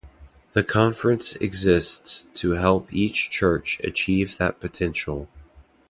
The conference exists to help each church achieve that potential.